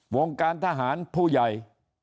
วงการทหารผู้ใหญ่